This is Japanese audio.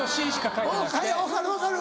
はい分かる分かる。